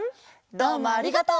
どうもありがとう！